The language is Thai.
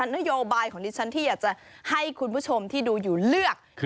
นโยบายของดิฉันที่อยากจะให้คุณผู้ชมที่ดูอยู่เลือก